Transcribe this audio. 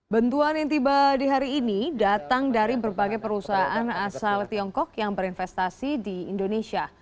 bantuan yang tiba di hari ini datang dari berbagai perusahaan asal tiongkok yang berinvestasi di indonesia